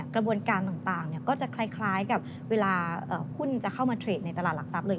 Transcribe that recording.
กระบวนการต่างก็จะคล้ายกับเวลาหุ้นจะเข้ามาเทรดในตลาดหลักทรัพย์เลย